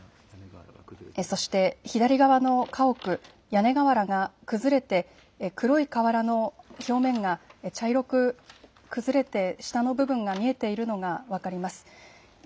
そして左側の家屋、屋根瓦が崩れて黒い瓦の表面が茶色く崩れて下の部分が見えているのが分かります。